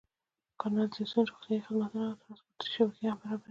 کانالیزاسیون، روغتیايي خدمتونه او ټرانسپورتي شبکې هم برابرې دي.